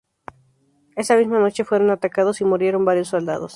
Esa misma noche fueron atacados y murieron varios soldados.